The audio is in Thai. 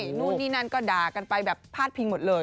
นู่นนี่นั่นก็ด่ากันไปแบบพาดพิงหมดเลย